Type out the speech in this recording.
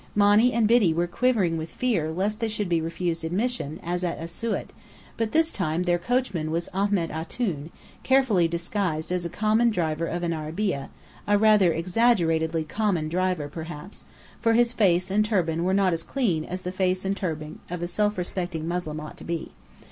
Monny and Biddy were quivering with fear lest they should be refused admission, as at Asiut: but this time their coachman was Ahmed Antoun, carefully disguised as a common driver of an arabeah, a rather exaggeratedly common driver perhaps, for his face and turban were not as clean as the face and turban of a self respecting Moslem ought to be.